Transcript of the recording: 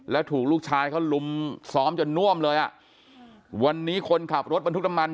แล้วถูกลูกชายเขาลุมซ้อมจนน่วมเลยอ่ะวันนี้คนขับรถบรรทุกน้ำมัน